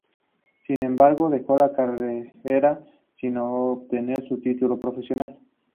Sin embargo, dejó la carrera sin obtener su título profesional.